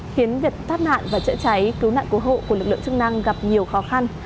khiến việc thát nạn và cháy cháy cứu nạn của hộ của lực lượng chức năng gặp nhiều khó khăn